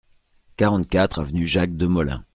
quarante-quatre avenue Jacques Demolin